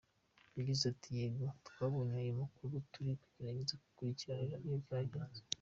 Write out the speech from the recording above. Yagize ati “Yego, twabonye ayo makuru, turi kugerageza gukurikirana uko byagenze.